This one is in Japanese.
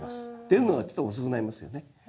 出るのがちょっと遅くなりますよね。